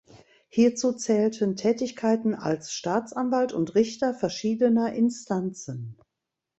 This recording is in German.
Hierzu zählten Tätigkeiten als Staatsanwalt und Richter verschiedener Instanzen.